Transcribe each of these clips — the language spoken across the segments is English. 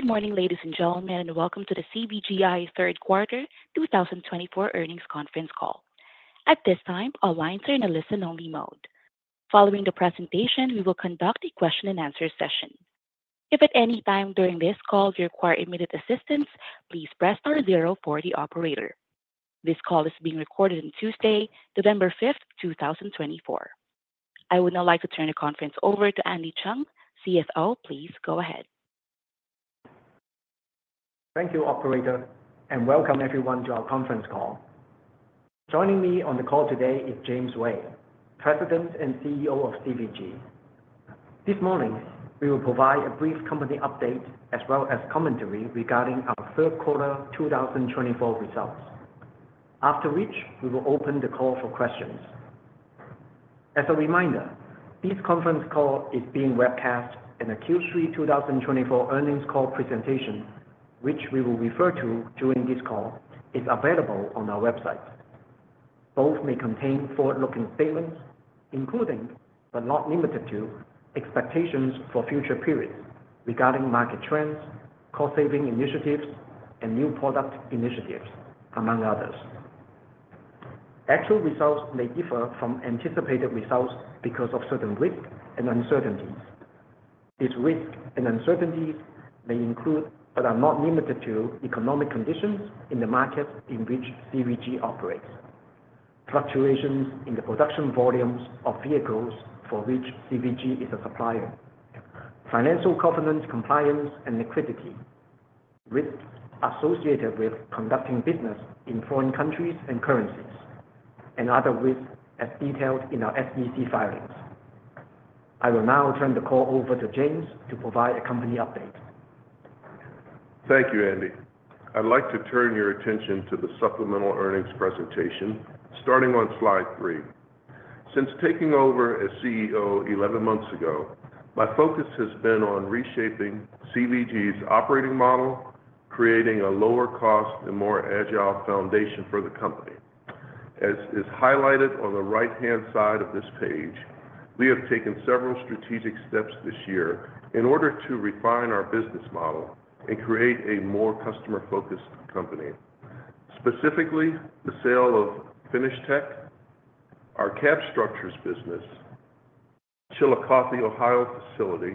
Good morning, ladies and gentlemen, and welcome to the CVG Third Quarter 2024 earnings conference call. At this time, all lines are in a listen-only mode. Following the presentation, we will conduct a question-and-answer session. If at any time during this call you require immediate assistance, please press star zero for the operator. This call is being recorded on Tuesday, November 5th, 2024. I would now like to turn the conference over to Andy Cheung, CFO. Please go ahead. Thank you, Operator, and welcome everyone to our conference call. Joining me on the call today is James Ray, President and CEO of CVG. This morning, we will provide a brief company update as well as commentary regarding our Third Quarter 2024 results, after which we will open the call for questions. As a reminder, this conference call is being webcast, and the Q3 2024 earnings call presentation, which we will refer to during this call, is available on our website. Both may contain forward-looking statements, including, but not limited to, expectations for future periods regarding market trends, cost-saving initiatives, and new product initiatives, among others. Actual results may differ from anticipated results because of certain risks and uncertainties. These risks and uncertainties may include, but are not limited to, economic conditions in the markets in which CVG operates, fluctuations in the production volumes of vehicles for which CVG is a supplier, financial governance compliance and liquidity, risks associated with conducting business in foreign countries and currencies, and other risks as detailed in our SEC filings. I will now turn the call over to James to provide a company update. Thank you, Andy. I'd like to turn your attention to the supplemental earnings presentation, starting on slide three. Since taking over as CEO 11 months ago, my focus has been on reshaping CVG's operating model, creating a lower-cost and more agile foundation for the company. As is highlighted on the right-hand side of this page, we have taken several strategic steps this year in order to refine our business model and create a more customer-focused company. Specifically, the sale of FinishTek, our cab structures business, Chillicothe, Ohio facility,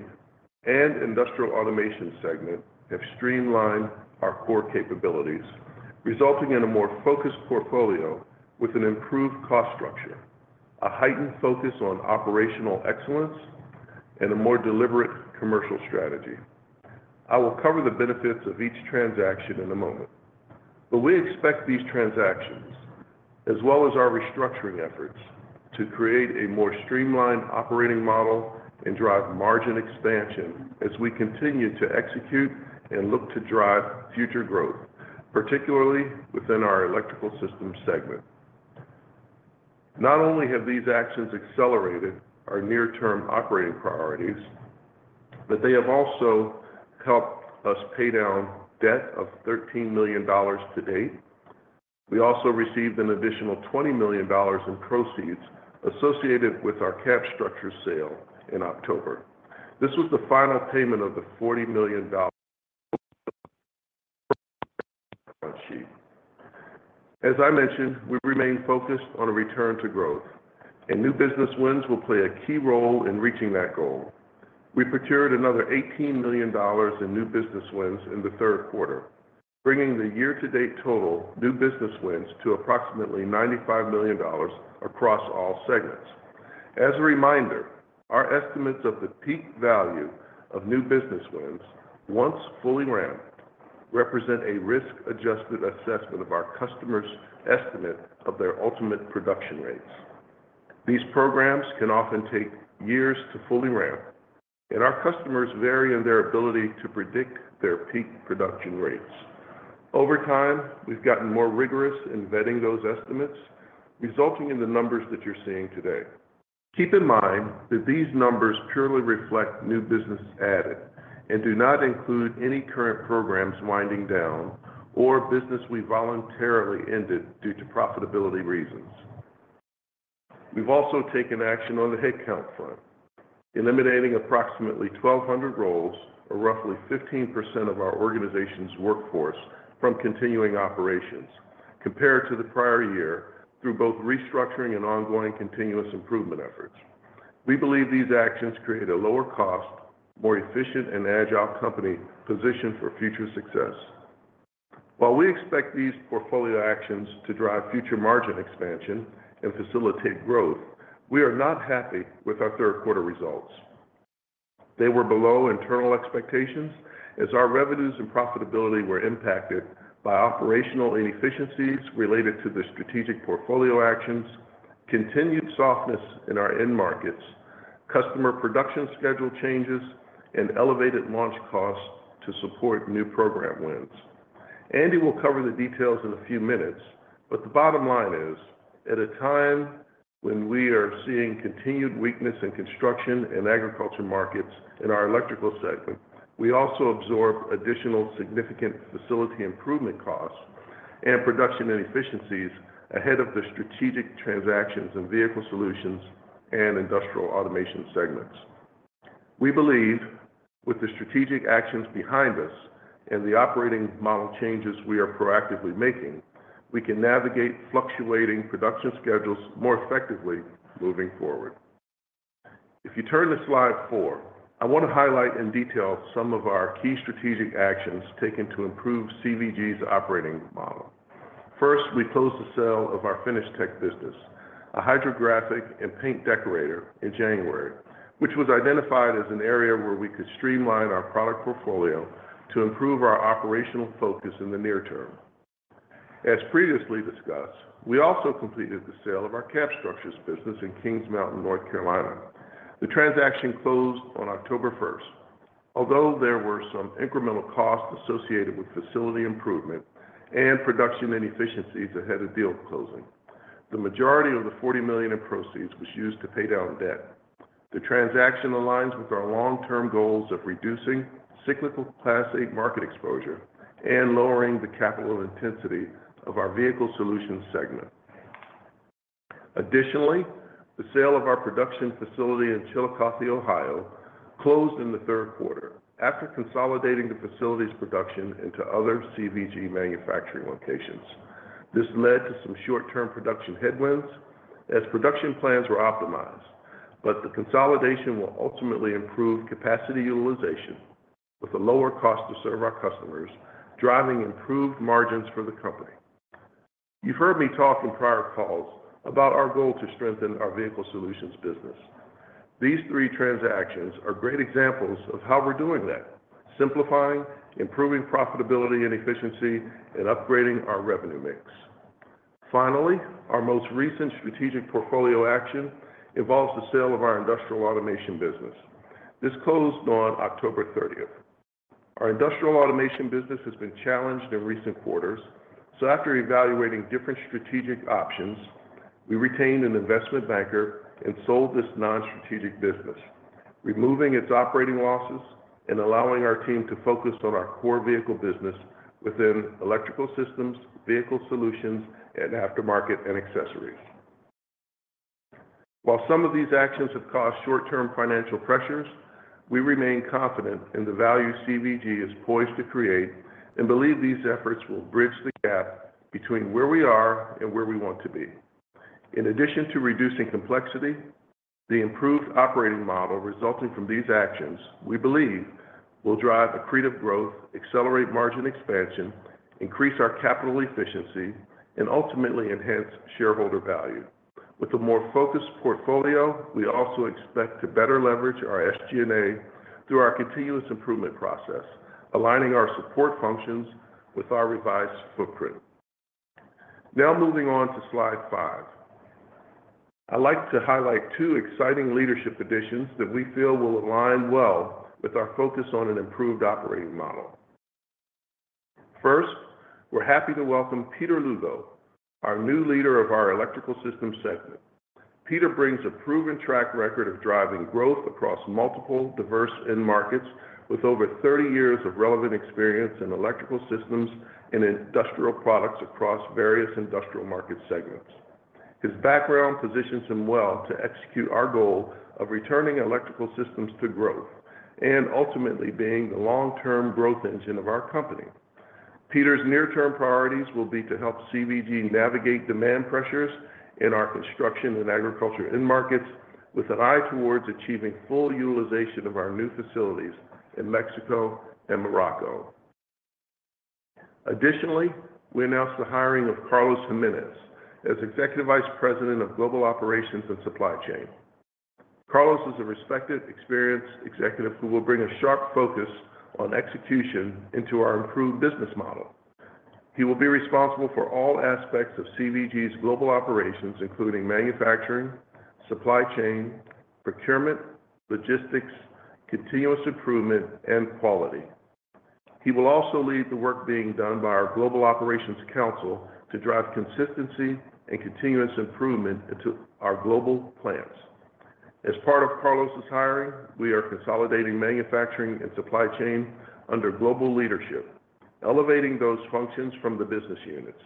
and industrial automation segment have streamlined our core capabilities, resulting in a more focused portfolio with an improved cost structure, a heightened focus on operational excellence, and a more deliberate commercial strategy. I will cover the benefits of each transaction in a moment, but we expect these transactions, as well as our restructuring efforts, to create a more streamlined operating model and drive margin expansion as we continue to execute and look to drive future growth, particularly within our electrical systems segment. Not only have these actions accelerated our near-term operating priorities, but they have also helped us pay down debt of $13 million to date. We also received an additional $20 million in proceeds associated with our cab structures sale in October. This was the final payment of the $40 million balance sheet. As I mentioned, we remain focused on a return to growth, and new business wins will play a key role in reaching that goal. We procured another $18 million in new business wins in the third quarter, bringing the year-to-date total new business wins to approximately $95 million across all segments. As a reminder, our estimates of the peak value of new business wins, once fully ramped, represent a risk-adjusted assessment of our customers' estimate of their ultimate production rates. These programs can often take years to fully ramp, and our customers vary in their ability to predict their peak production rates. Over time, we've gotten more rigorous in vetting those estimates, resulting in the numbers that you're seeing today. Keep in mind that these numbers purely reflect new business added and do not include any current programs winding down or business we voluntarily ended due to profitability reasons. We've also taken action on the headcount front, eliminating approximately 1,200 roles, or roughly 15% of our organization's workforce, from continuing operations compared to the prior year through both restructuring and ongoing continuous improvement efforts. We believe these actions create a lower-cost, more efficient, and agile company position for future success. While we expect these portfolio actions to drive future margin expansion and facilitate growth, we are not happy with our third-quarter results. They were below internal expectations as our revenues and profitability were impacted by operational inefficiencies related to the strategic portfolio actions, continued softness in our end markets, customer production schedule changes, and elevated launch costs to support new program wins. Andy will cover the details in a few minutes, but the bottom line is, at a time when we are seeing continued weakness in construction and agriculture markets in our electrical segment, we also absorbed additional significant facility improvement costs and production inefficiencies ahead of the strategic transactions in vehicle solutions and industrial automation segments. We believe with the strategic actions behind us and the operating model changes we are proactively making, we can navigate fluctuating production schedules more effectively moving forward. If you turn to slide four, I want to highlight in detail some of our key strategic actions taken to improve CVG's operating model. First, we closed the sale of our FinishTek business, a hydrographic and paint decorator, in January, which was identified as an area where we could streamline our product portfolio to improve our operational focus in the near term. As previously discussed, we also completed the sale of our cab structures business in Kings Mountain, North Carolina. The transaction closed on October 1st. Although there were some incremental costs associated with facility improvement and production inefficiencies ahead of deal closing, the majority of the $40 million in proceeds was used to pay down debt. The transaction aligns with our long-term goals of reducing cyclical Class 8 market exposure and lowering the capital intensity of our vehicle solutions segment. Additionally, the sale of our production facility in Chillicothe, Ohio, closed in the third quarter after consolidating the facility's production into other CVG manufacturing locations. This led to some short-term production headwinds as production plans were optimized, but the consolidation will ultimately improve capacity utilization with a lower cost to serve our customers, driving improved margins for the company. You've heard me talk in prior calls about our goal to strengthen our vehicle solutions business. These three transactions are great examples of how we're doing that, simplifying, improving profitability and efficiency, and upgrading our revenue mix. Finally, our most recent strategic portfolio action involves the sale of our industrial automation business. This closed on October 30th. Our industrial automation business has been challenged in recent quarters, so after evaluating different strategic options, we retained an investment banker and sold this non-strategic business, removing its operating losses and allowing our team to focus on our core vehicle business within electrical systems, vehicle solutions, and aftermarket and accessories. While some of these actions have caused short-term financial pressures, we remain confident in the value CVG is poised to create and believe these efforts will bridge the gap between where we are and where we want to be. In addition to reducing complexity, the improved operating model resulting from these actions, we believe, will drive accretive growth, accelerate margin expansion, increase our capital efficiency, and ultimately enhance shareholder value. With a more focused portfolio, we also expect to better leverage our SG&A through our continuous improvement process, aligning our support functions with our revised footprint. Now moving on to slide five, I'd like to highlight two exciting leadership additions that we feel will align well with our focus on an improved operating model. First, we're happy to welcome Peter Lugo, our new leader of our electrical systems segment. Peter brings a proven track record of driving growth across multiple, diverse end markets with over 30 years of relevant experience in electrical systems and industrial products across various industrial market segments. His background positions him well to execute our goal of returning electrical systems to growth and ultimately being the long-term growth engine of our company. Peter's near-term priorities will be to help CVG navigate demand pressures in our construction and agriculture end markets with an eye towards achieving full utilization of our new facilities in Mexico and Morocco. Additionally, we announced the hiring of Carlos Jiménez as Executive Vice President of Global Operations and Supply Chain. Carlos is a respected, experienced executive who will bring a sharp focus on execution into our improved business model. He will be responsible for all aspects of CVG's global operations, including manufacturing, supply chain, procurement, logistics, continuous improvement, and quality. He will also lead the work being done by our Global Operations Council to drive consistency and continuous improvement into our global plants. As part of Carlos's hiring, we are consolidating manufacturing and supply chain under global leadership, elevating those functions from the business units,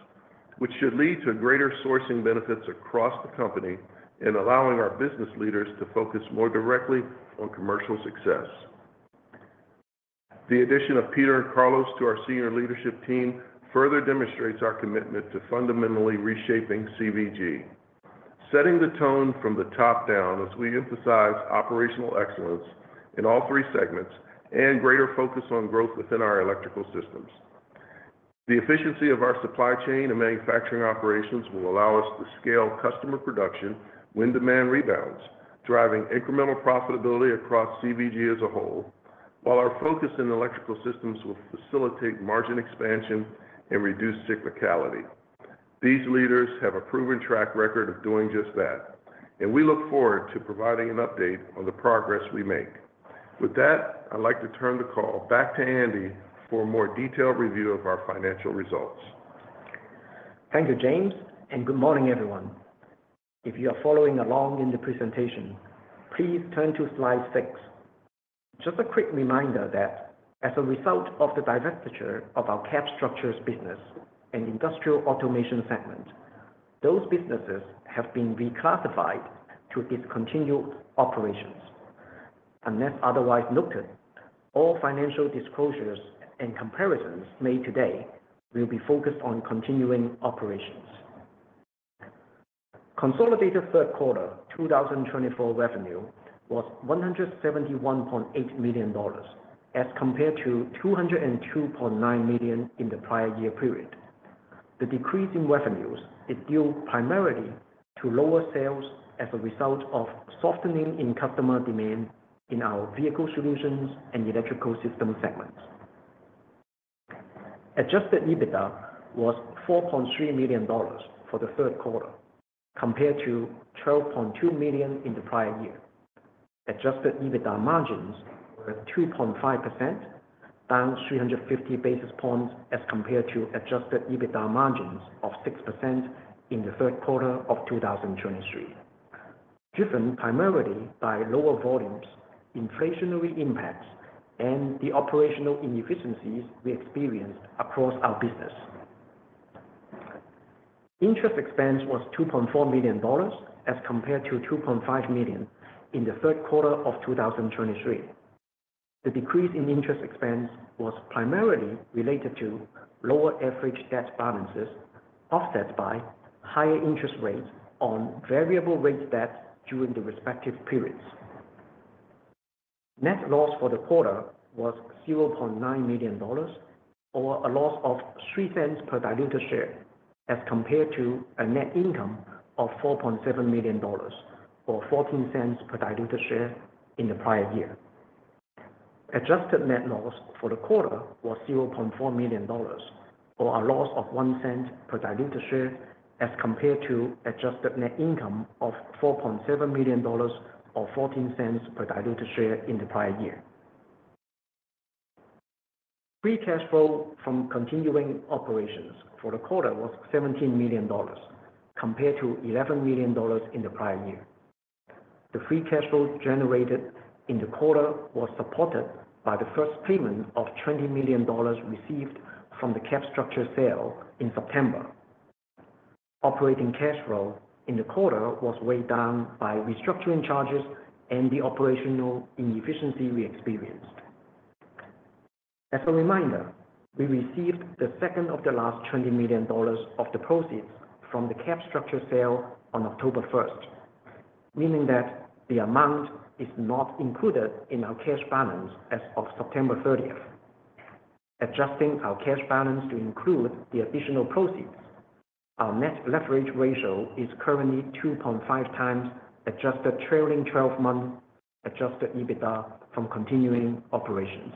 which should lead to greater sourcing benefits across the company and allowing our business leaders to focus more directly on commercial success. The addition of Peter and Carlos to our senior leadership team further demonstrates our commitment to fundamentally reshaping CVG, setting the tone from the top down as we emphasize operational excellence in all three segments and greater focus on growth within our electrical systems. The efficiency of our supply chain and manufacturing operations will allow us to scale customer production when demand rebounds, driving incremental profitability across CVG as a whole, while our focus in electrical systems will facilitate margin expansion and reduce cyclicality. These leaders have a proven track record of doing just that, and we look forward to providing an update on the progress we make. With that, I'd like to turn the call back to Andy for a more detailed review of our financial results. Thank you, James, and good morning, everyone. If you are following along in the presentation, please turn to slide six. Just a quick reminder that as a result of the divestiture of our cab structures business and industrial automation segment, those businesses have been reclassified to discontinued operations. Unless otherwise noted, all financial disclosures and comparisons made today will be focused on continuing operations. Consolidated third quarter 2024 revenue was $171.8 million as compared to $202.9 million in the prior year period. The decrease in revenues is due primarily to lower sales as a result of softening in customer demand in our vehicle solutions and electrical systems segments. Adjusted EBITDA was $4.3 million for the third quarter compared to $12.2 million in the prior year. Adjusted EBITDA margins were 2.5%, down 350 basis points as compared to adjusted EBITDA margins of 6% in the third quarter of 2023, driven primarily by lower volumes, inflationary impacts, and the operational inefficiencies we experienced across our business. Interest expense was $2.4 million as compared to $2.5 million in the third quarter of 2023. The decrease in interest expense was primarily related to lower average debt balances offset by higher interest rates on variable rate debt during the respective periods. Net loss for the quarter was $0.9 million, or a loss of $0.03 per diluted share as compared to a net income of $4.7 million or $0.14 per diluted share in the prior year. Adjusted net loss for the quarter was $0.4 million, or a loss of $0.01 per diluted share as compared to adjusted net income of $4.7 million or $0.14 per diluted share in the prior year. Free Cash Flow from continuing operations for the quarter was $17 million compared to $11 million in the prior year. The free cash flow generated in the quarter was supported by the first payment of $20 million received from the cab structures sale in September. Operating cash flow in the quarter was weighed down by restructuring charges and the operational inefficiency we experienced. As a reminder, we received the second of the last $20 million of the proceeds from the cab structures sale on October 1st, meaning that the amount is not included in our cash balance as of September 30th. Adjusting our cash balance to include the additional proceeds, our net leverage ratio is currently 2.5 times Adjusted trailing 12-month Adjusted EBITDA from continuing operations.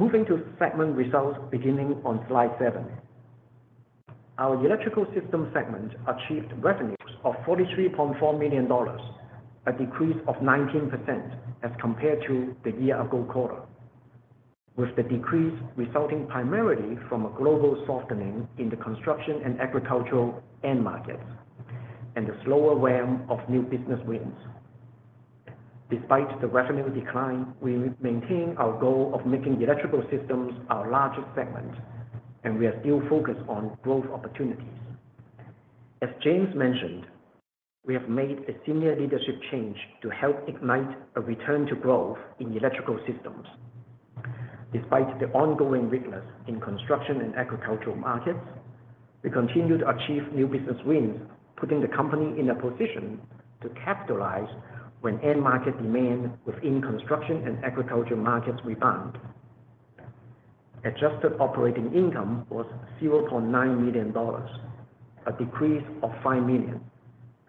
Moving to segment results beginning on slide seven, our electrical ystems segment achieved revenues of $43.4 million, a decrease of 19% as compared to the year-ago quarter, with the decrease resulting primarily from a global softening in the construction and agricultural end markets and the slower roll-out of new business wins. Despite the revenue decline, we maintain our goal of making electrical systems our largest segment, and we are still focused on growth opportunities. As James mentioned, we have made a senior leadership change to help ignite a return to growth in electrical systems. Despite the ongoing weakness in construction and agricultural markets, we continue to achieve new business wins, putting the company in a position to capitalize when end market demand within construction and agricultural markets rebound. Adjusted operating income was $0.9 million, a decrease of $5 million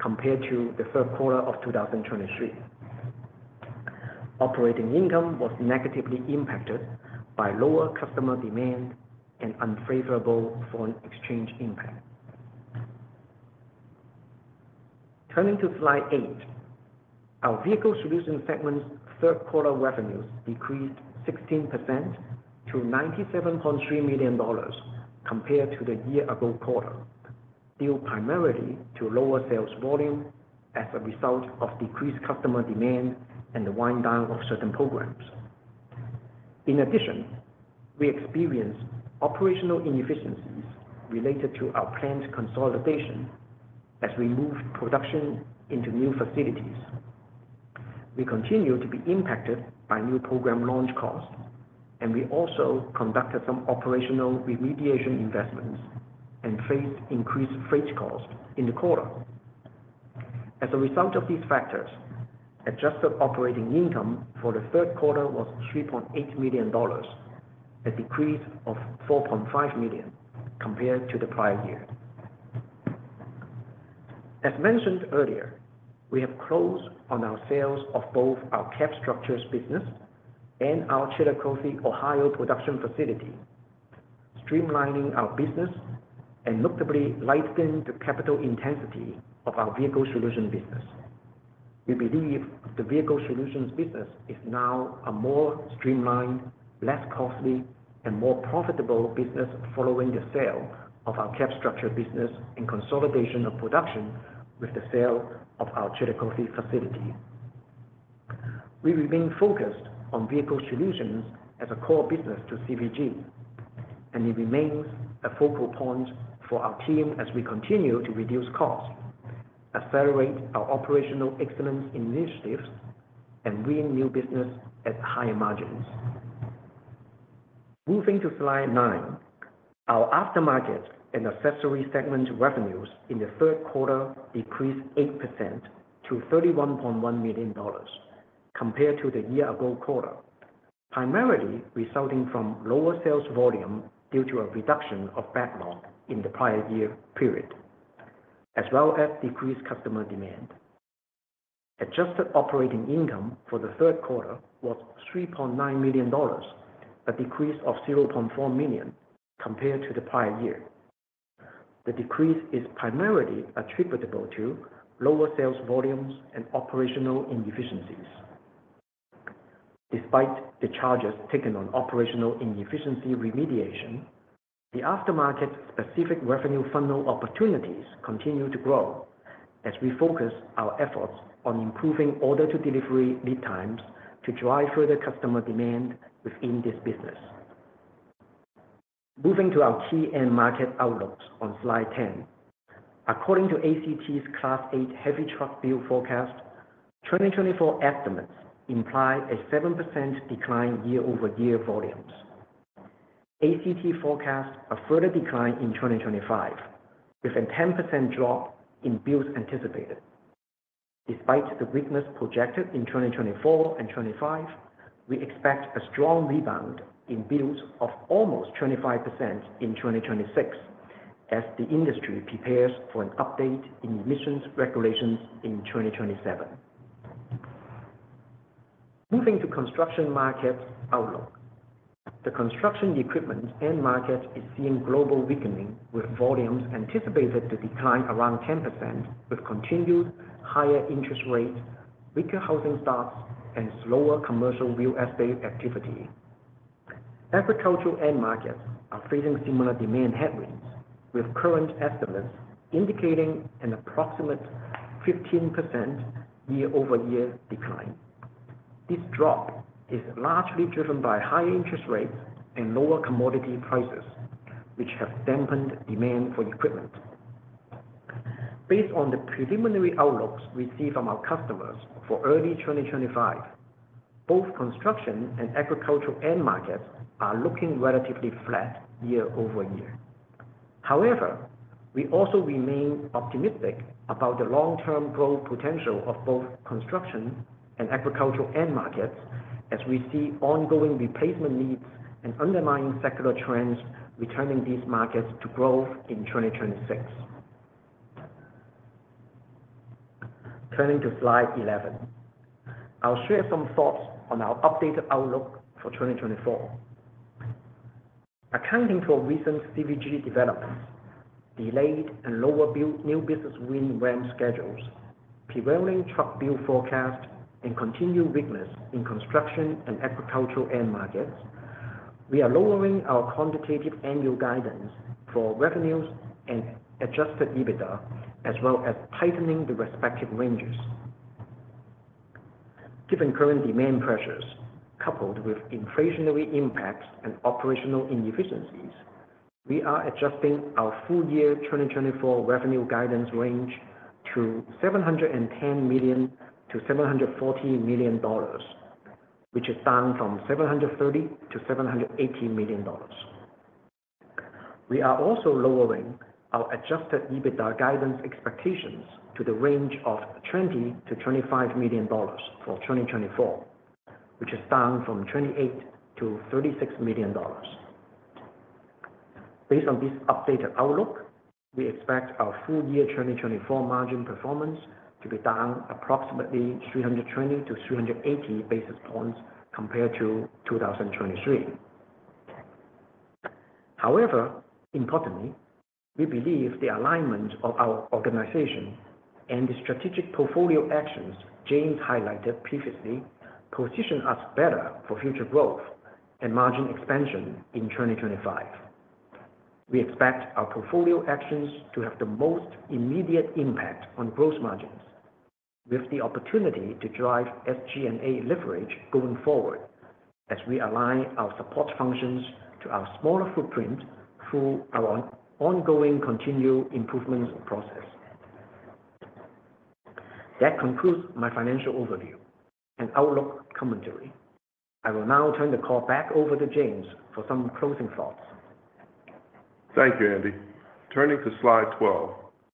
compared to the third quarter of 2023. Operating income was negatively impacted by lower customer demand and unfavorable foreign exchange impact. Turning to slide eight, our Vehicle Solutions segment's third quarter revenues decreased 16% to $97.3 million compared to the year-ago quarter, due primarily to lower sales volume as a result of decreased customer demand and the wind-down of certain programs. In addition, we experienced operational inefficiencies related to our plant consolidation as we moved production into new facilities. We continue to be impacted by new program launch costs, and we also conducted some operational remediation investments and faced increased freight costs in the quarter. As a result of these factors, adjusted operating income for the third quarter was $3.8 million, a decrease of $4.5 million compared to the prior year. As mentioned earlier, we have closed on our sales of both our cab structures business and our Chillicothe, Ohio, production facility, streamlining our business and notably lightening the capital intensity of our vehicle solutions business. We believe the vehicle solutions business is now a more streamlined, less costly, and more profitable business following the sale of our cab structures business and consolidation of production with the sale of our Chillicothe facility. We remain focused on vehicle solutions as a core business to CVG, and it remains a focal point for our team as we continue to reduce costs, accelerate our operational excellence initiatives, and win new business at higher margins. Moving to slide nine, our aftermarket and accessory segment revenues in the third quarter decreased 8% to $31.1 million compared to the year-ago quarter, primarily resulting from lower sales volume due to a reduction of backlog in the prior year period, as well as decreased customer demand. Adjusted operating income for the third quarter was $3.9 million, a decrease of $0.4 million compared to the prior year. The decrease is primarily attributable to lower sales volumes and operational inefficiencies. Despite the charges taken on operational inefficiency remediation, the aftermarket-specific revenue funnel opportunities continue to grow as we focus our efforts on improving order-to-delivery lead times to drive further customer demand within this business. Moving to our key end market outlooks on slide 10, according to ACT's Class 8 heavy truck build forecast, 2024 estimates imply a 7% decline year-over-year volumes. ACT forecasts a further decline in 2025, with a 10% drop in builds anticipated. Despite the weakness projected in 2024 and 2025, we expect a strong rebound in builds of almost 25% in 2026 as the industry prepares for an update in emissions regulations in 2027. Moving to construction market outlook, the construction equipment end market is seeing global weakening, with volumes anticipated to decline around 10% with continued higher interest rates, weaker housing stocks, and slower commercial real estate activity. Agricultural end markets are facing similar demand headwinds, with current estimates indicating an approximate 15% year-over-year decline. This drop is largely driven by higher interest rates and lower commodity prices, which have dampened demand for equipment. Based on the preliminary outlooks we see from our customers for early 2025, both construction and agricultural end markets are looking relatively flat year-over-year. However, we also remain optimistic about the long-term growth potential of both construction and agricultural end markets as we see ongoing replacement needs and underlying secular trends returning these markets to growth in 2026. Turning to Slide 11, I'll share some thoughts on our updated outlook for 2024. Accounting for recent CVG developments, delayed and lower new business win schedules, prevailing truck build forecast, and continued weakness in construction and agricultural end markets, we are lowering our quantitative annual guidance for revenues and Adjusted EBITDA, as well as tightening the respective ranges. Given current demand pressures coupled with inflationary impacts and operational inefficiencies, we are adjusting our full-year 2024 revenue guidance range to $710 million-$740 million, which is down from $730 million-$780 million. We are also lowering our adjusted EBITDA guidance expectations to the range of $20-$25 million for 2024, which is down from $28-$36 million. Based on this updated outlook, we expect our full-year 2024 margin performance to be down approximately 320-380 basis points compared to 2023. However, importantly, we believe the alignment of our organization and the strategic portfolio actions James highlighted previously position us better for future growth and margin expansion in 2025. We expect our portfolio actions to have the most immediate impact on gross margins, with the opportunity to drive SG&A leverage going forward as we align our support functions to our smaller footprint through our ongoing continual improvement process. That concludes my financial overview and outlook commentary. I will now turn the call back over to James for some closing thoughts. Thank you, Andy. Turning to slide 12,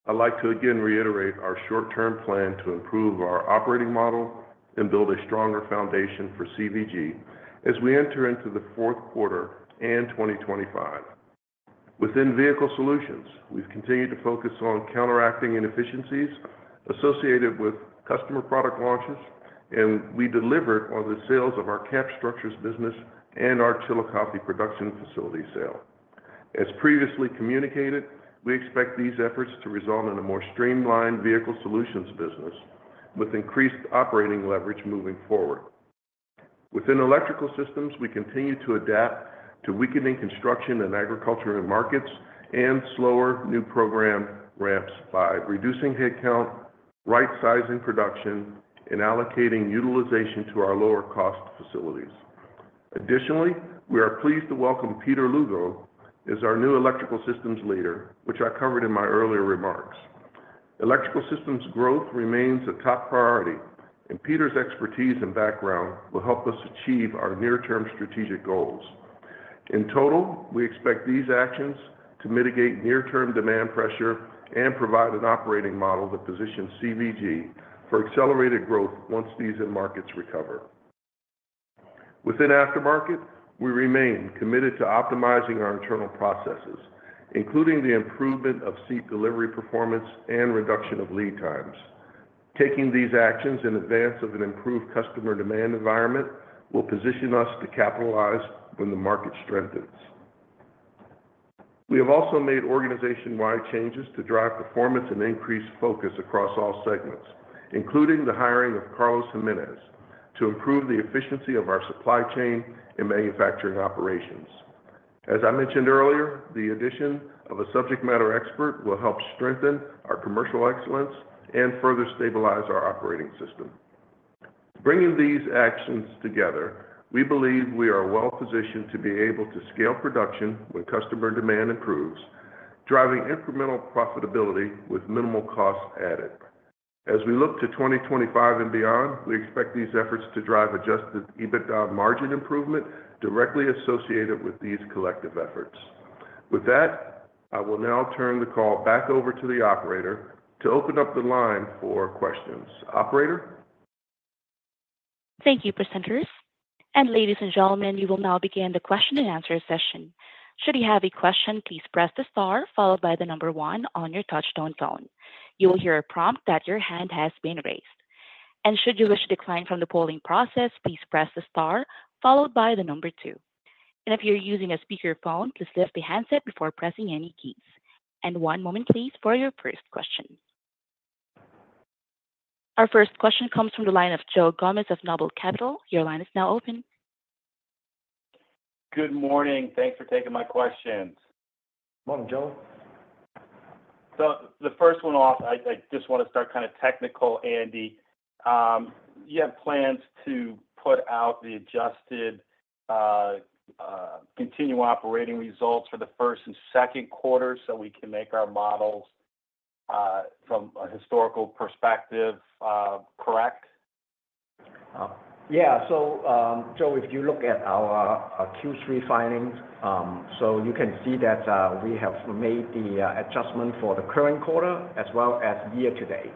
I'd like to again reiterate our short-term plan to improve our operating model and build a stronger foundation for CVG as we enter into the fourth quarter and 2025. Within vehicle solutions, we've continued to focus on counteracting inefficiencies associated with customer product launches, and we delivered on the sales of our cab structures business and our Chillicothe, Ohio production facility sale. As previously communicated, we expect these efforts to result in a more streamlined vehicle solutions business with increased operating leverage moving forward. Within electrical systems, we continue to adapt to weakening construction and agricultural markets and slower new program ramps by reducing headcount, right-sizing production, and allocating utilization to our lower-cost facilities. Additionally, we are pleased to welcome Peter Lugo as our new electrical systems leader, which I covered in my earlier remarks. Electrical Systems growth remains a top priority, and Peter's expertise and background will help us achieve our near-term strategic goals. In total, we expect these actions to mitigate near-term demand pressure and provide an operating model that positions CVG for accelerated growth once these end markets recover. Within aftermarket, we remain committed to optimizing our internal processes, including the improvement of seat delivery performance and reduction of lead times. Taking these actions in advance of an improved customer demand environment will position us to capitalize when the market strengthens. We have also made organization-wide changes to drive performance and increased focus across all segments, including the hiring of Carlos Jimenez to improve the efficiency of our supply chain and manufacturing operations. As I mentioned earlier, the addition of a subject matter expert will help strengthen our commercial excellence and further stabilize our operating system. Bringing these actions together, we believe we are well-positioned to be able to scale production when customer demand improves, driving incremental profitability with minimal costs added. As we look to 2025 and beyond, we expect these efforts to drive Adjusted EBITDA margin improvement directly associated with these collective efforts. With that, I will now turn the call back over to the operator to open up the line for questions. Operator? Thank you, presenters. And ladies and gentlemen, you will now begin the question-and-answer session. Should you have a question, please press the star followed by the number one on your touch-tone phone. You will hear a prompt that your hand has been raised. And should you wish to decline from the polling process, please press the star followed by the number two. And if you're using a speakerphone, please lift the handset before pressing any keys. One moment, please, for your first question. Our first question comes from the line of Joe Gomes of Noble Capital Markets. Your line is now open. Good morning. Thanks for taking my questions. Morning, Joe. The first one off, I just want to start kind of technical, Andy. You have plans to put out the adjusted continuing operating results for the first and second quarters so we can make our models from a historical perspective correct? Yeah. Joe, if you look at our Q3 filings, so you can see that we have made the adjustment for the current quarter as well as year-to-date.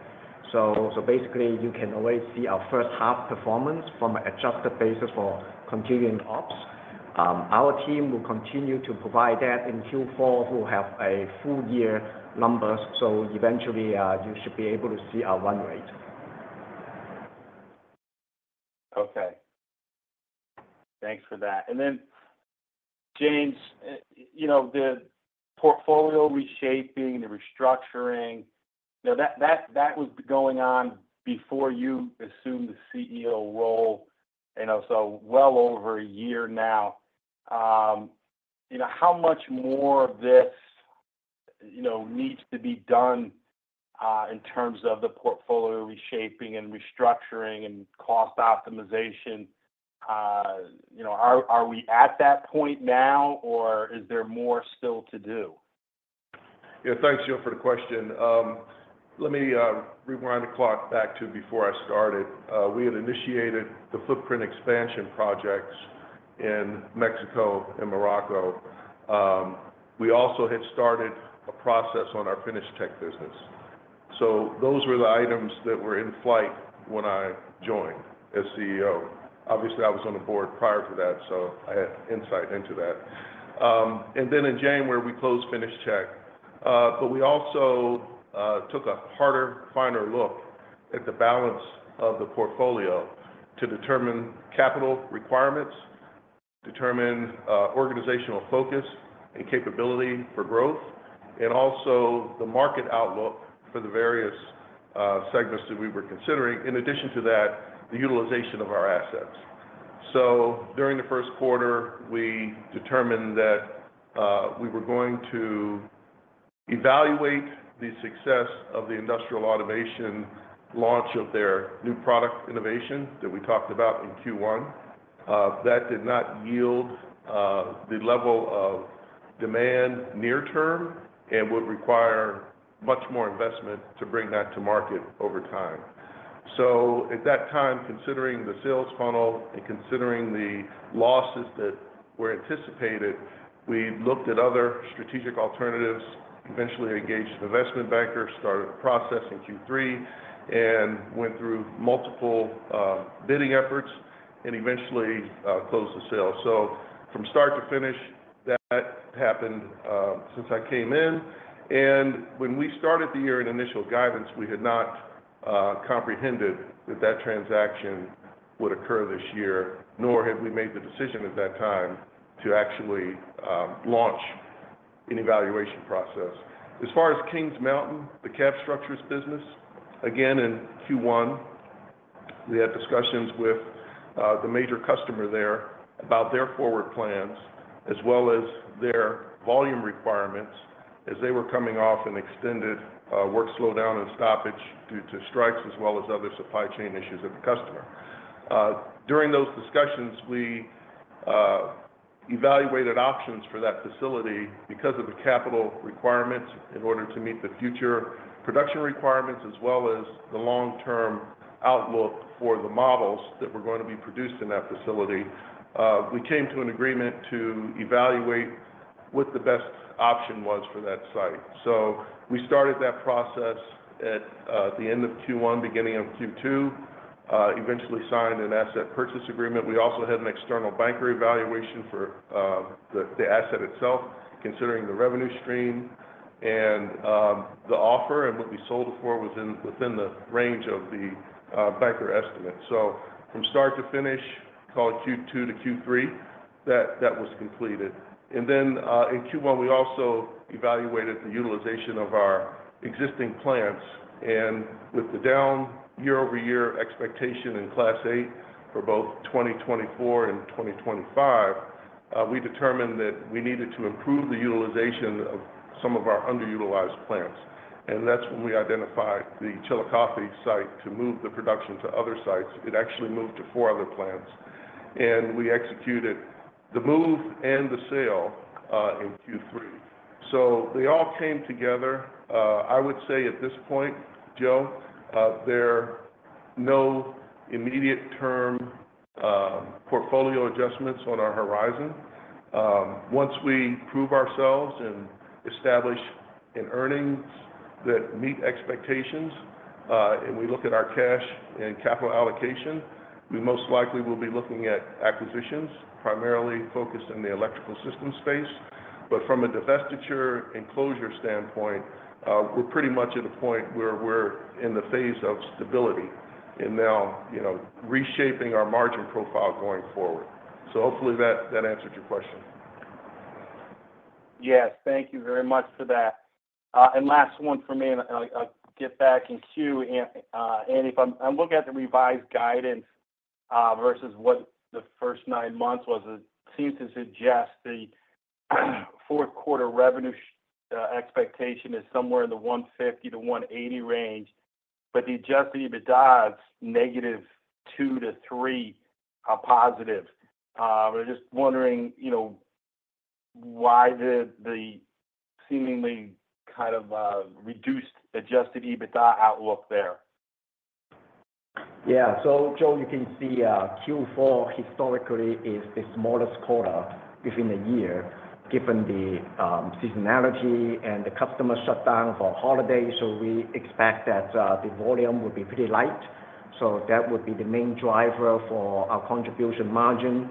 Basically, you can already see our first-half performance from an adjusted basis for continuing ops. Our team will continue to provide that, and Q4 will have a full-year numbers. Eventually, you should be able to see our run rate. Okay. Thanks for that. And then, James, the portfolio reshaping, the restructuring, that was going on before you assumed the CEO role, so well over a year now. How much more of this needs to be done in terms of the portfolio reshaping and restructuring and cost optimization? Are we at that point now, or is there more still to do? Yeah. Thanks, Joe, for the question. Let me rewind the clock back to before I started. We had initiated the footprint expansion projects in Mexico and Morocco. We also had started a process on our FinishTek business. So those were the items that were in flight when I joined as CEO. Obviously, I was on the board prior to that, so I had insight into that. And then in January, we closed FinishTek. But we also took a harder, finer look at the balance of the portfolio to determine capital requirements, determine organizational focus and capability for growth, and also the market outlook for the various segments that we were considering. In addition to that, the utilization of our assets. So during the first quarter, we determined that we were going to evaluate the success of the industrial automation launch of their new product innovation that we talked about in Q1. That did not yield the level of demand near-term and would require much more investment to bring that to market over time. So at that time, considering the sales funnel and considering the losses that were anticipated, we looked at other strategic alternatives, eventually engaged an investment banker, started a process in Q3, and went through multiple bidding efforts, and eventually closed the sale. From start to finish, that happened since I came in. When we started the year in initial guidance, we had not comprehended that that transaction would occur this year, nor had we made the decision at that time to actually launch an evaluation process. As far as Kings Mountain, the cab structures business, again, in Q1, we had discussions with the major customer there about their forward plans as well as their volume requirements as they were coming off an extended work slowdown and stoppage due to strikes as well as other supply chain issues at the customer. During those discussions, we evaluated options for that facility because of the capital requirements in order to meet the future production requirements as well as the long-term outlook for the models that were going to be produced in that facility. We came to an agreement to evaluate what the best option was for that site, so we started that process at the end of Q1, beginning of Q2, eventually signed an asset purchase agreement. We also had an external banker evaluation for the asset itself, considering the revenue stream and the offer, and what we sold it for was within the range of the banker estimate, so from start to finish, call it Q2 to Q3, that was completed, and then in Q1, we also evaluated the utilization of our existing plants, and with the down year-over-year expectation in Class 8 for both 2024 and 2025, we determined that we needed to improve the utilization of some of our underutilized plants, and that's when we identified the Chillicothe site to move the production to other sites. It actually moved to four other plants. And we executed the move and the sale in Q3. So they all came together. I would say at this point, Joe, there are no immediate-term portfolio adjustments on our horizon. Once we prove ourselves and establish earnings that meet expectations and we look at our cash and capital allocation, we most likely will be looking at acquisitions, primarily focused in the electrical system space. But from a divestiture and closure standpoint, we're pretty much at a point where we're in the phase of stability and now reshaping our margin profile going forward. So hopefully, that answered your question. Yes. Thank you very much for that. And last one for me, and I'll get back in queue. Andy, if I look at the revised guidance versus what the first nine months was, it seems to suggest the fourth quarter revenue expectation is somewhere in the 150-180 range, but the adjusted EBITDA is negative two to positive three. I'm just wondering why the seemingly kind of reduced adjusted EBITDA outlook there. Yeah. So Joe, you can see Q4 historically is the smallest quarter within a year given the seasonality and the customer shutdown for holidays. So we expect that the volume will be pretty light. So that would be the main driver for our contribution margin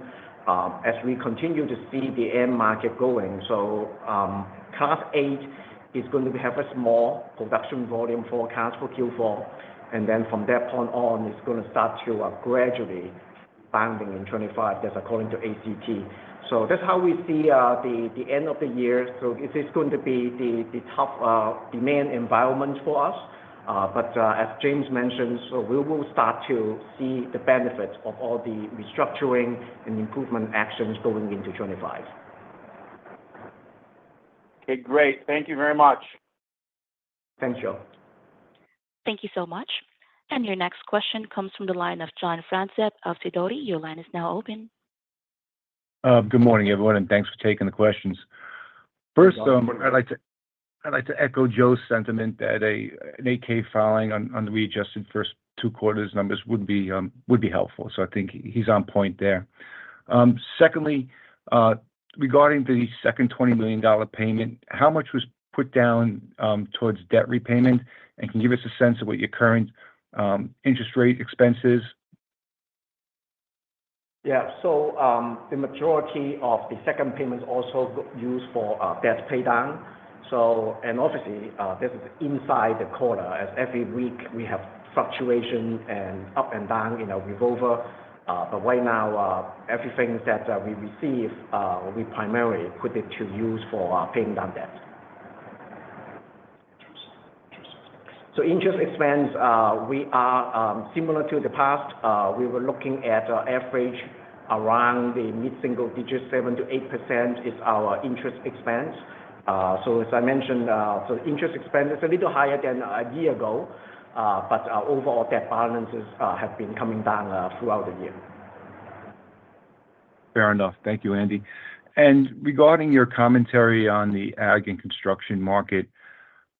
as we continue to see the end market going. So Class 8 is going to have a small production volume forecast for Q4. And then from that point on, it's going to start to gradually rebounding in 2025, that's according to ACT. So that's how we see the end of the year. So it is going to be the top demand environment for us. But as James mentioned, so we will start to see the benefits of all the restructuring and improvement actions going into 2025. Okay. Great. Thank you very much. Thanks, Joe. Thank you so much. And your next question comes from the line of John Franzreb of Sidoti & Company. Your line is now open. Good morning, everyone, and thanks for taking the questions. First, I'd like to echo Joe's sentiment that an 8-K filing on the readjusted first two quarters numbers would be helpful. So I think he's on point there. Secondly, regarding the second $20 million payment, how much was put down towards debt repayment? And can you give us a sense of what your current interest rate expense is? Yeah. So the majority of the second payment is also used for debt paydown. And obviously, this is inside the quarter. As every week, we have fluctuation and up and down in our revolver. But right now, everything that we receive, we primarily put it to use for paying down debt. Interesting. Interesting. So interest expense, we are similar to the past. We were looking at an average around the mid-single digit, 7%-8% is our interest expense. So as I mentioned, so interest expense is a little higher than a year ago, but overall, debt balances have been coming down throughout the year. Fair enough. Thank you, Andy. And regarding your commentary on the ag and construction market,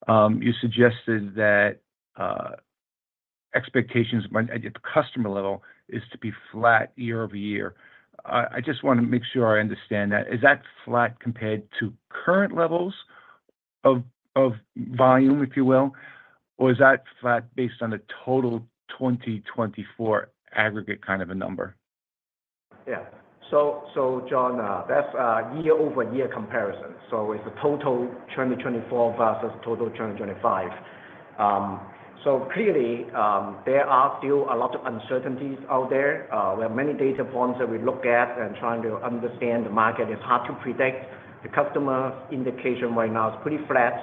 you suggested that expectations at the customer level is to be flat year-over-year. I just want to make sure I understand that. Is that flat compared to current levels of volume, if you will, or is that flat based on the total 2024 aggregate kind of a number? Yeah. So John, that's year-over-year comparison. So it's the total 2024 versus total 2025. So clearly, there are still a lot of uncertainties out there. We have many data points that we look at and trying to understand the market. It's hard to predict. The customer's indication right now is pretty flat.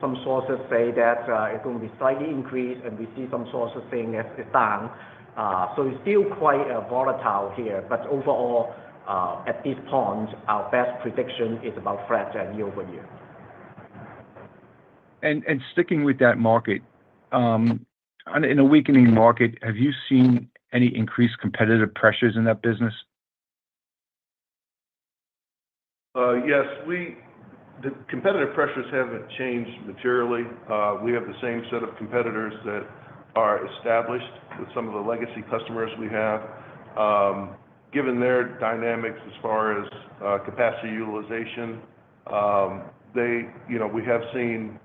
Some sources say that it's going to be slightly increased, and we see some sources saying it's down. So it's still quite volatile here. But overall, at this point, our best prediction is about flat year-over-year. And sticking with that market, in a weakening market, have you seen any increased competitive pressures in that business? Yes. The competitive pressures haven't changed materially. We have the same set of competitors that are established with some of the legacy customers we have. Given their dynamics as far as capacity utilization, we have seen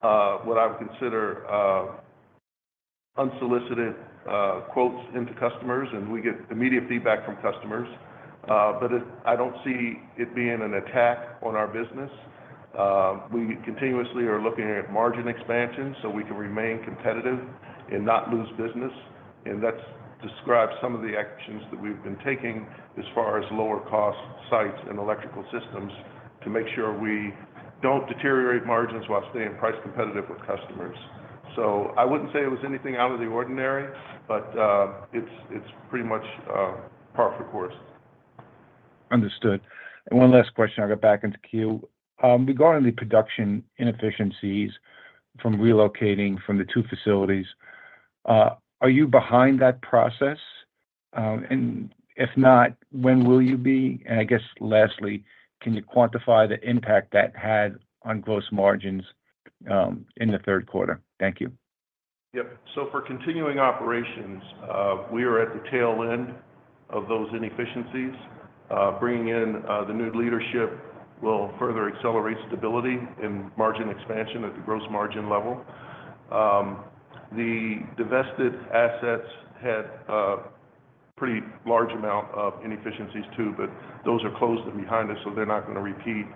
what I would consider unsolicited quotes into customers, and we get immediate feedback from customers. But I don't see it being an attack on our business. We continuously are looking at margin expansion so we can remain competitive and not lose business. And that describes some of the actions that we've been taking as far as lower-cost sites and electrical systems to make sure we don't deteriorate margins while staying price competitive with customers. So I wouldn't say it was anything out of the ordinary, but it's pretty much par for the course. Understood. And one last question. I'll get back into queue. Regarding the production inefficiencies from relocating from the two facilities, are you behind that process? And if not, when will you be? And I guess lastly, can you quantify the impact that had on gross margins in the third quarter? Thank you. Yep. So for continuing operations, we are at the tail end of those inefficiencies. Bringing in the new leadership will further accelerate stability and margin expansion at the gross margin level. The divested assets had a pretty large amount of inefficiencies too, but those are closed and behind us, so they're not going to repeat.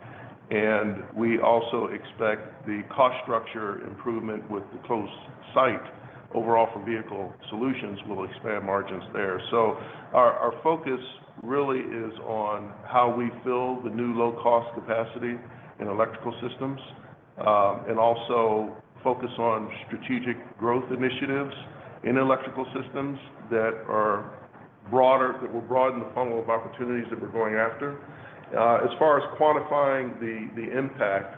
And we also expect the cost structure improvement with the closed site overall for vehicle solutions will expand margins there. So our focus really is on how we fill the new low-cost capacity in electrical systems and also focus on strategic growth initiatives in electrical systems that will broaden the funnel of opportunities that we're going after. As far as quantifying the impact,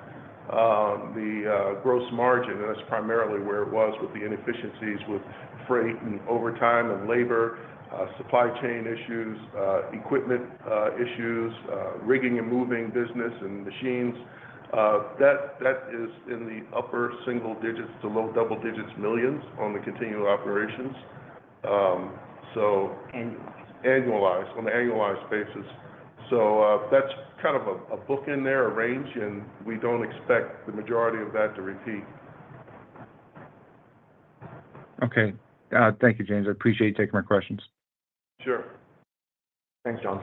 the gross margin, and that's primarily where it was with the inefficiencies with freight and overtime and labor, supply chain issues, equipment issues, rigging and moving business and machines, that is in the upper single digits to low double digits millions on the continuing operations. So annualized. Annualized on an annualized basis. So that's kind of a bookended there, a range, and we don't expect the majority of that to repeat. Okay. Thank you, James. I appreciate you taking my questions. Sure. Thanks, John.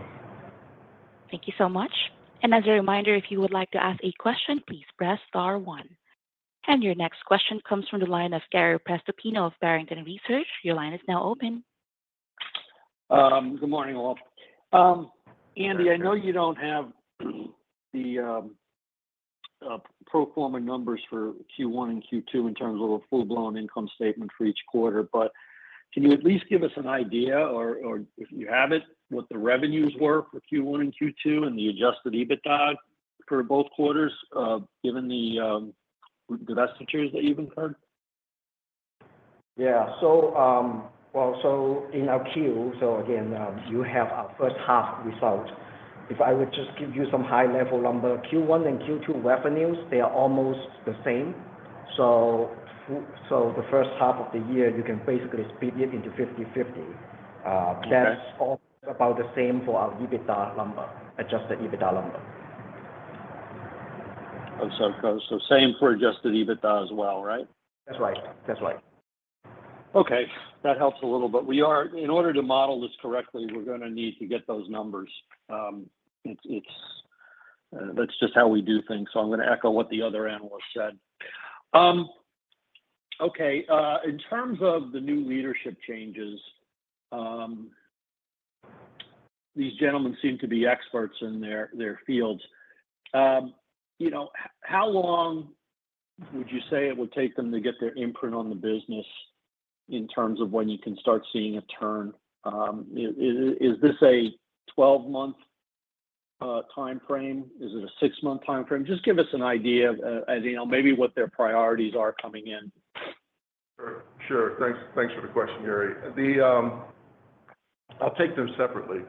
Thank you so much. And as a reminder, if you would like to ask a question, please press star one. And your next question comes from the line of Gary Prestopino of Barrington Research. Your line is now open. Good morning, all. Andy, I know you don't have the pro forma numbers for Q1 and Q2 in terms of a full-blown income statement for each quarter, but can you at least give us an idea, or if you have it, what the revenues were for Q1 and Q2 and the Adjusted EBITDA for both quarters given the divestitures that you've incurred? Yeah. Well, so in our queue, so again, you have our first half result. If I would just give you some high-level number, Q1 and Q2 revenues, they are almost the same. So the first half of the year, you can basically split it into 50/50. That's almost about the same for our EBITDA number, Adjusted EBITDA number. So same for Adjusted EBITDA as well, right? That's right. That's right. Okay. That helps a little. But in order to model this correctly, we're going to need to get those numbers. That's just how we do things. So I'm going to echo what the other analyst said. Okay. In terms of the new leadership changes, these gentlemen seem to be experts in their fields. How long would you say it would take them to get their imprint on the business in terms of when you can start seeing a turn? Is this a 12-month timeframe? Is it a 6-month timeframe? Just give us an idea of maybe what their priorities are coming in. Sure. Sure. Thanks for the question, Gary. I'll take them separately.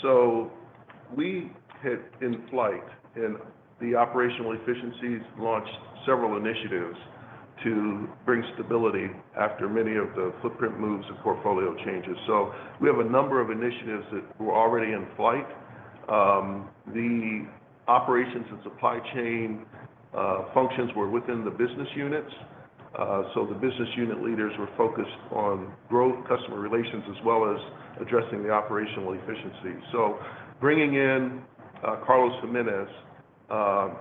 So we have in flight, and the operational efficiencies launched several initiatives to bring stability after many of the footprint moves and portfolio changes. So we have a number of initiatives that were already in flight. The operations and supply chain functions were within the business units. The business unit leaders were focused on growth, customer relations, as well as addressing the operational efficiencies. Bringing in Carlos Jimenez,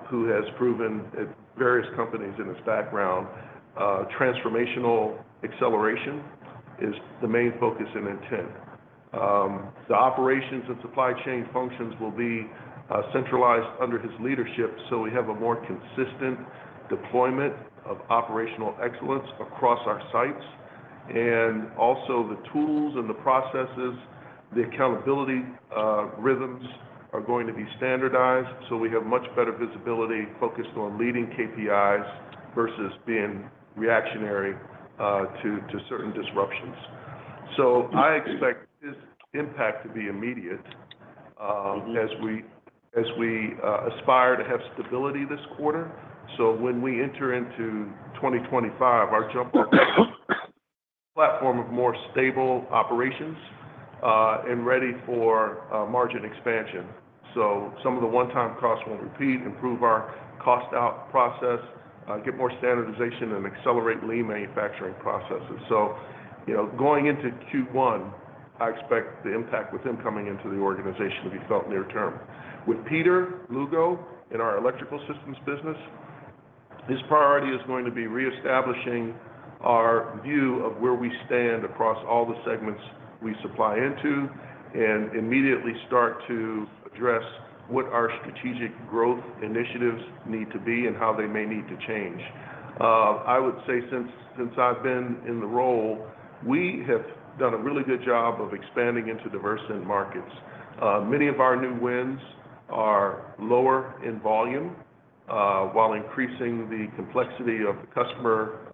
who has proven at various companies in his background, transformational acceleration is the main focus and intent. The operations and supply chain functions will be centralized under his leadership, so we have a more consistent deployment of operational excellence across our sites. Also the tools and the processes, the accountability rhythms are going to be standardized, so we have much better visibility focused on leading KPIs versus being reactionary to certain disruptions. I expect this impact to be immediate as we aspire to have stability this quarter. When we enter into 2025, our jump-up platform of more stable operations and ready for margin expansion. Some of the one-time costs won't repeat, improve our cost-out process, get more standardization, and accelerate lean manufacturing processes. So going into Q1, I expect the impact with him coming into the organization to be felt near term. With Peter Lugo, in our electrical systems business, his priority is going to be reestablishing our view of where we stand across all the segments we supply into and immediately start to address what our strategic growth initiatives need to be and how they may need to change. I would say since I've been in the role, we have done a really good job of expanding into diverse end markets. Many of our new wins are lower in volume while increasing the complexity of the customer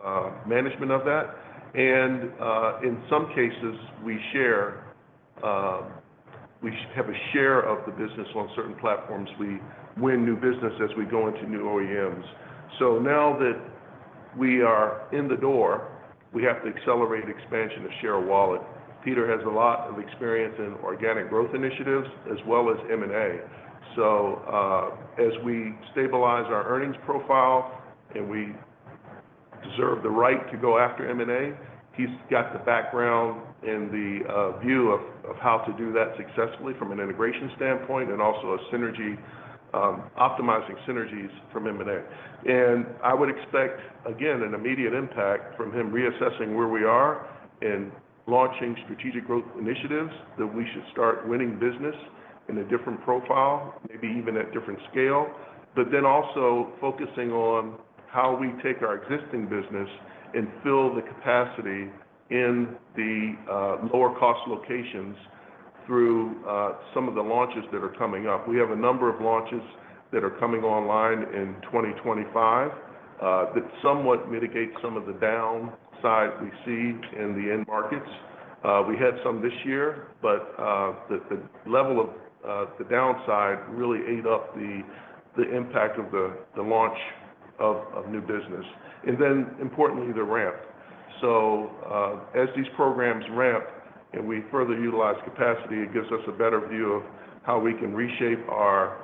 management of that. And in some cases, we have a share of the business on certain platforms. We win new business as we go into new OEMs. So now that we are in the door, we have to accelerate expansion to share of wallet. Peter has a lot of experience in organic growth initiatives as well as M&A, so as we stabilize our earnings profile and we deserve the right to go after M&A, he's got the background and the view of how to do that successfully from an integration standpoint and also optimizing synergies from M&A, and I would expect, again, an immediate impact from him reassessing where we are and launching strategic growth initiatives that we should start winning business in a different profile, maybe even at different scale, but then also focusing on how we take our existing business and fill the capacity in the lower-cost locations through some of the launches that are coming up. We have a number of launches that are coming online in 2025 that somewhat mitigate some of the downside we see in the end markets. We had some this year, but the level of the downside really ate up the impact of the launch of new business. And then, importantly, the ramp. So as these programs ramp and we further utilize capacity, it gives us a better view of how we can reshape our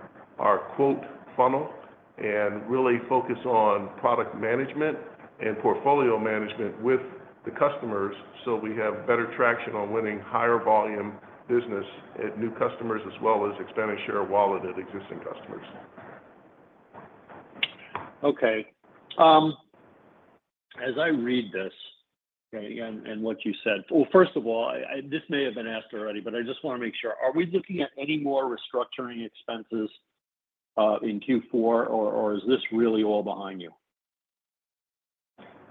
quote funnel and really focus on product management and portfolio management with the customers so we have better traction on winning higher volume business at new customers as well as expanding share of wallet at existing customers. Okay. As I read this and what you said, well, first of all, this may have been asked already, but I just want to make sure. Are we looking at any more restructuring expenses in Q4, or is this really all behind you?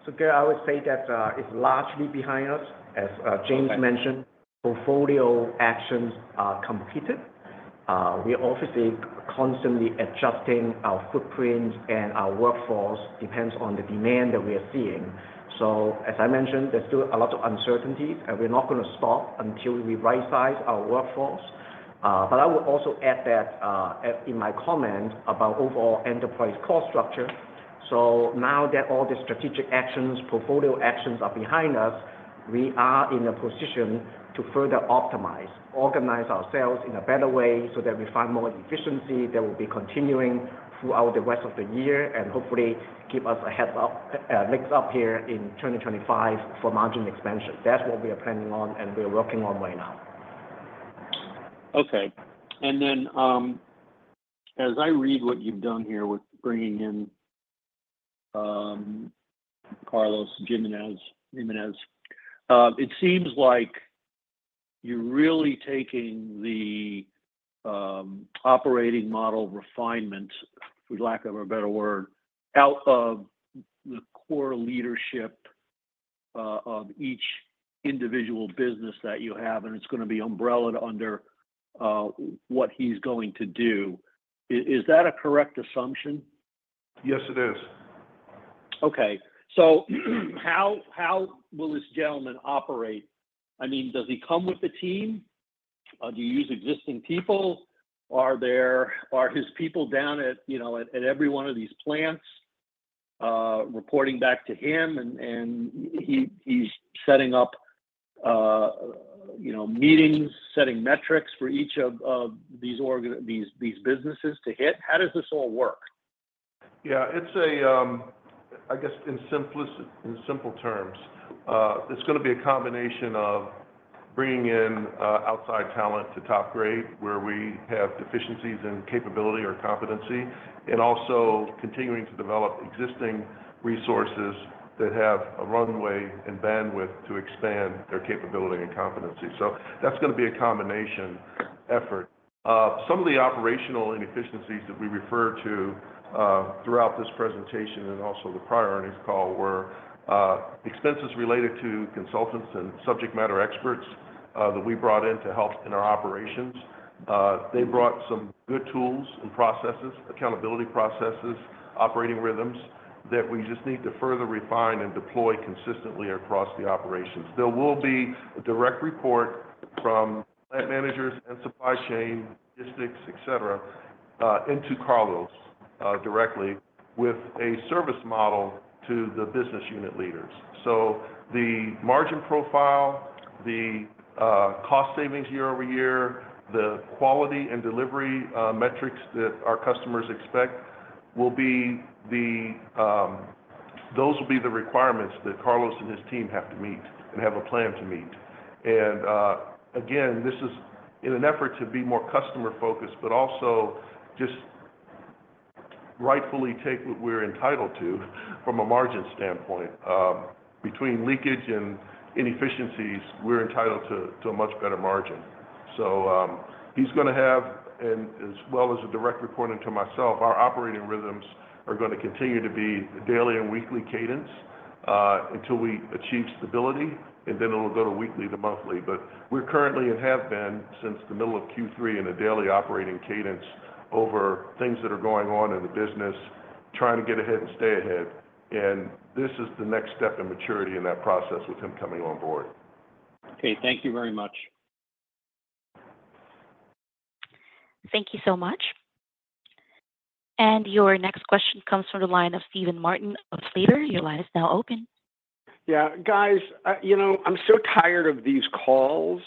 So Gary, I would say that it's largely behind us. As James mentioned, portfolio actions are completed. We're obviously constantly adjusting our footprint, and our workforce depends on the demand that we are seeing, so as I mentioned, there's still a lot of uncertainties, and we're not going to stop until we right-size our workforce, but I will also add that in my comment about overall enterprise cost structure, so now that all the strategic actions, portfolio actions are behind us, we are in a position to further optimize, organize ourselves in a better way so that we find more efficiency that will be continuing throughout the rest of the year and hopefully keep us linked up here in 2025 for margin expansion. That's what we are planning on and we are working on right now. Okay. And then as I read what you've done here with bringing in Carlos Jimenez, it seems like you're really taking the operating model refinement, for lack of a better word, out of the core leadership of each individual business that you have, and it's going to be umbrellaed under what he's going to do. Is that a correct assumption? Yes, it is. Okay. So how will this gentleman operate? I mean, does he come with the team? Do you use existing people? Are his people down at every one of these plants reporting back to him, and he's setting up meetings, setting metrics for each of these businesses to hit? How does this all work? Yeah. I guess in simple terms, it's going to be a combination of bringing in outside talent to top grade where we have deficiencies in capability or competency and also continuing to develop existing resources that have a runway and bandwidth to expand their capability and competency. So that's going to be a combination effort. Some of the operational inefficiencies that we referred to throughout this presentation and also the priorities call were expenses related to consultants and subject matter experts that we brought in to help in our operations. They brought some good tools and processes, accountability processes, operating rhythms that we just need to further refine and deploy consistently across the operations. There will be a direct report from plant managers and supply chain logistics, etc., into Carlos directly with a service model to the business unit leaders. So the margin profile, the cost savings year over year, the quality and delivery metrics that our customers expect will be. Those will be the requirements that Carlos and his team have to meet and have a plan to meet. And again, this is in an effort to be more customer-focused, but also just rightfully take what we're entitled to from a margin standpoint. Between leakage and inefficiencies, we're entitled to a much better margin. So he's going to have, as well as a direct reporting to myself, our operating rhythms are going to continue to be daily and weekly cadence until we achieve stability, and then it'll go to weekly to monthly. But we're currently and have been since the middle of Q3 in a daily operating cadence over things that are going on in the business, trying to get ahead and stay ahead. And this is the next step in maturity in that process with him coming on board. Okay. Thank you very much. Thank you so much. And your next question comes from the line of Stephen Martin of Slater. Your line is now open. Yeah. Guys, I'm so tired of these calls.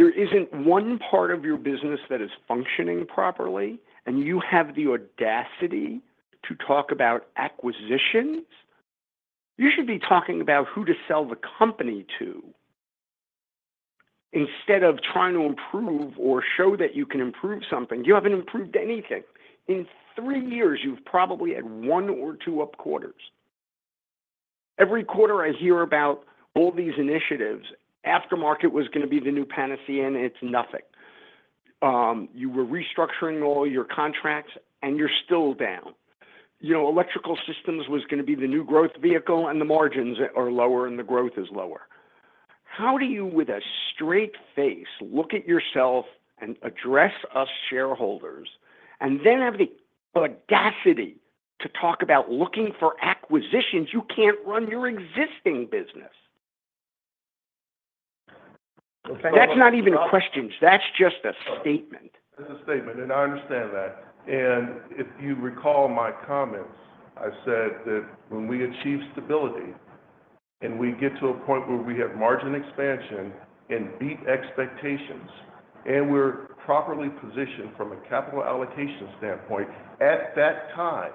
There isn't one part of your business that is functioning properly, and you have the audacity to talk about acquisitions. You should be talking about who to sell the company to instead of trying to improve or show that you can improve something. You haven't improved anything. In three years, you've probably had one or two up quarters. Every quarter, I hear about all these initiatives. Aftermarket was going to be the new panacea, and it's nothing. You were restructuring all your contracts, and you're still down. Electrical Systems was going to be the new growth vehicle, and the margins are lower, and the growth is lower. How do you, with a straight face, look at yourself and address us shareholders and then have the audacity to talk about looking for acquisitions? You can't run your existing business. That's not even a question. That's just a statement. That's a statement, and I understand that. And if you recall my comments, I said that when we achieve stability and we get to a point where we have margin expansion and beat expectations and we're properly positioned from a capital allocation standpoint, at that time,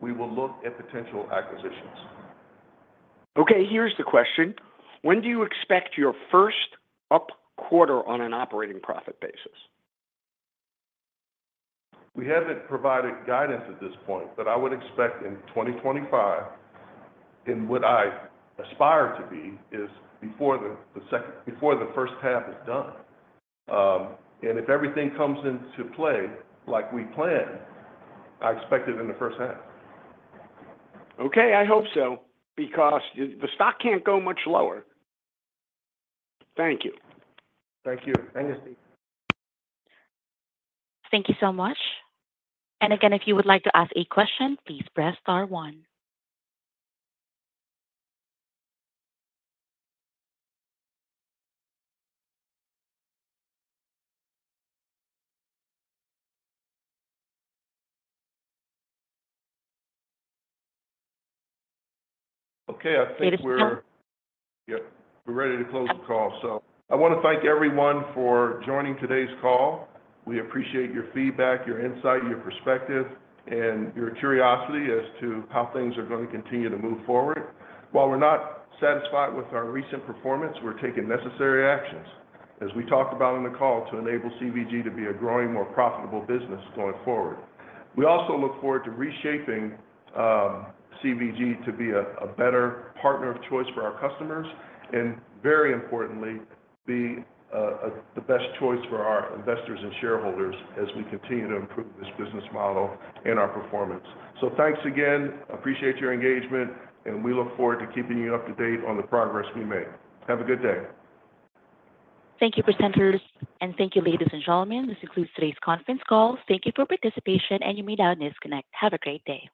we will look at potential acquisitions. Okay. Here's the question. When do you expect your first up quarter on an operating profit basis? We haven't provided guidance at this point, but I would expect in 2025, and what I aspire to be is before the first half is done, and if everything comes into play like we planned, I expect it in the first half. Okay. I hope so because the stock can't go much lower. Thank you. Thank you. Thank you, Steve. Thank you so much. And again, if you would like to ask a question, please press star one. Okay. I think we're, yeah, we're ready to close the call, so I want to thank everyone for joining today's call. We appreciate your feedback, your insight, your perspective, and your curiosity as to how things are going to continue to move forward. While we're not satisfied with our recent performance, we're taking necessary actions, as we talked about in the call, to enable CVG to be a growing, more profitable business going forward. We also look forward to reshaping CVG to be a better partner of choice for our customers and, very importantly, be the best choice for our investors and shareholders as we continue to improve this business model and our performance. So thanks again. Appreciate your engagement, and we look forward to keeping you up to date on the progress we make. Have a good day. Thank you, presenters, and thank you, ladies and gentlemen. This concludes today's conference call. Thank you for participating and your meeting on you may now disconnect. Have a great day.